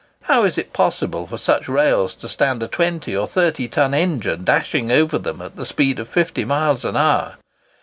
How is it possible for such rails to stand a 20 or 30 ton engine dashing over them at the speed of 50 miles an hour?